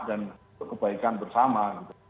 dan kebaikan bersama